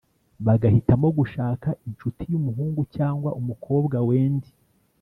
bagahitamo gushaka incuti y umuhungu cyangwa umukobwa Wendy